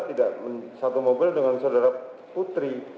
tidak satu mobil dengan saudara putri